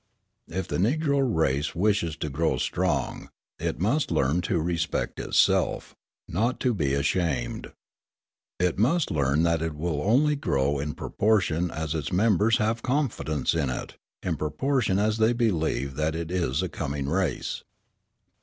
If the Negro race wishes to grow strong, it must learn to respect itself, not to be ashamed. It must learn that it will only grow in proportion as its members have confidence in it, in proportion as they believe that it is a coming race.